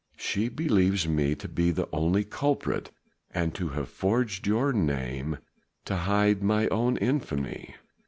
She believes me to be the only culprit and to have forged your name to hide mine own infamy."